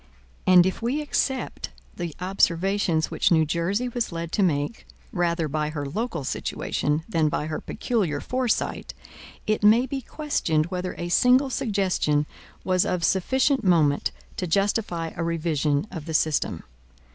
And if we except the observations which New Jersey was led to make, rather by her local situation, than by her peculiar foresight, it may be questioned whether a single suggestion was of sufficient moment to justify a revision of the system.